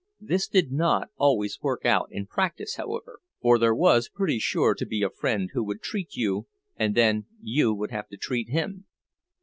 This did not always work out in practice, however, for there was pretty sure to be a friend who would treat you, and then you would have to treat him.